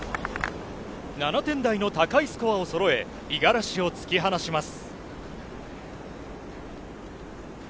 ７点台の高いスコアをそろえ、五十嵐を突き放します。